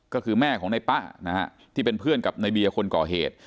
ก็คือแม่ของในป้านะฮะที่เป็นเพื่อนกับในเบียร์คนก่อเหตุ